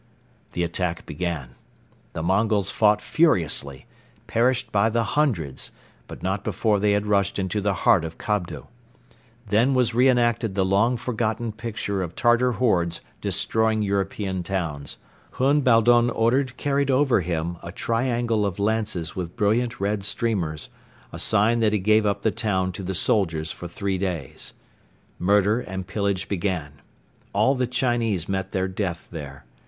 The attack began. The Mongols fought furiously, perished by the hundreds but not before they had rushed into the heart of Kobdo. Then was re enacted the long forgotten picture of Tartar hordes destroying European towns. Hun Baldon ordered carried over him a triangle of lances with brilliant red streamers, a sign that he gave up the town to the soldiers for three days. Murder and pillage began. All the Chinese met their death there.